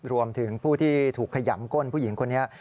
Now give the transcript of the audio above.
รวมถึงผู้ที่ถูกขยำก้นผู้หญิงคนนี้